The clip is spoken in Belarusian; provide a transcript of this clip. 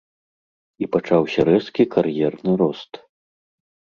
І пачаўся рэзкі кар'ерны рост.